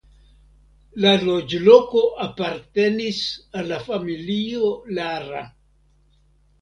La loĝloko apartenis al la familio Lara.